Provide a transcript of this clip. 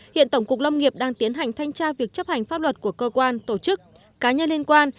hiện tổng cục lâm nghiệp đang tiến hành thanh tra việc chấp hành pháp luật của cơ quan tổ chức cá nhân liên quan